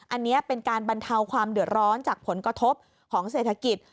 อันนี้เป็นการบรรเทาความเดือดร้อนจากผลกระทบของเศรษฐกิจ